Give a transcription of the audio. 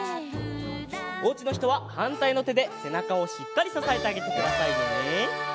おうちのひとははんたいのてでせなかをしっかりささえてあげてくださいね。